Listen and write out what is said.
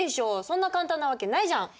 そんな簡単な訳ないじゃん。